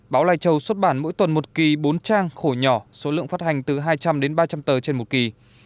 báo lai châu xuất bản mỗi tuần một kỳ bốn trang khổ nhỏ số lượng phát hành từ hai trăm linh đến ba trăm linh tờ trên một kỳ